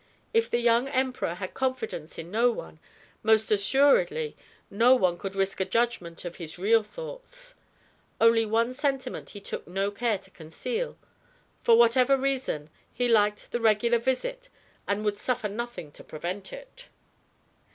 If the young Emperor had confidence in no one, most assuredly no one could risk a judgment of his real thoughts. Only one sentiment he took no care to conceal: for whatever reason, he liked the regular visit and would suffer nothing to prevent it.